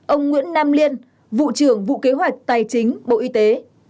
ông nguyễn nam liên vụ trưởng vụ kế hoạch tài chính bộ y tế